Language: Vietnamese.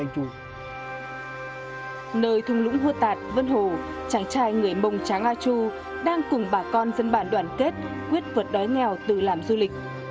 nơi thung lũng hua tạt vân hồ chàng trai người mông tráng a chu đang cùng bà con dân bản đoàn kết quyết vượt đói nghèo tự làm du lịch